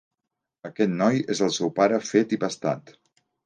Aquest noi és el seu pare fet i pastat.